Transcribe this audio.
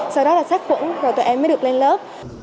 sau đó là sát quẩn rồi tụi em mới được lên lớp